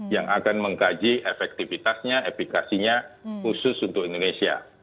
yang akan mengkaji efektivitasnya efekasinya khusus untuk indonesia